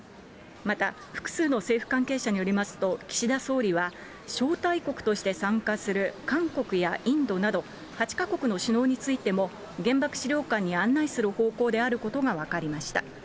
また、複数の政府関係者によりますと、岸田総理は、招待国として参加する韓国やインドなど、８か国の首脳についても、原爆資料館に案内する方向であることが分かりました。